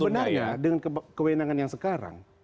sebenarnya dengan kewenangan yang sekarang